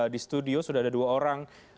di studio sudah ada dua orang